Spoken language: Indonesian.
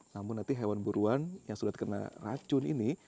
namun nanti hewan buruan yang sudah terkena racun ini